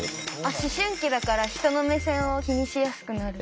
思春期だから人の目線を気にしやすくなる。